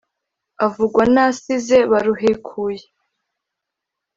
avugwa n’asize baruhekuye